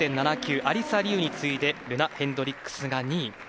アリサ・リウに次いでルナ・ヘンドリックスが２位。